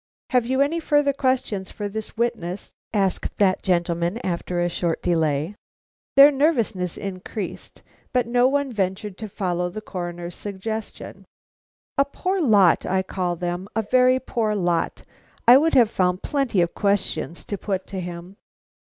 "Have you any further questions for this witness?" asked that gentleman after a short delay. Their nervousness increased, but no one ventured to follow the Coroner's suggestion. A poor lot, I call them, a very poor lot! I would have found plenty of questions to put to him.